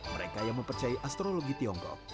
mereka yang mempercayai astrologi tiongkok